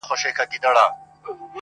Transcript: o هغه آش، هغه کاسه.